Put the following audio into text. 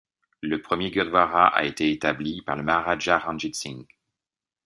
Le premier gurdwara a été établi par le Maharaja Ranjit Singh.